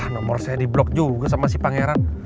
nomor saya diblok juga sama si pangeran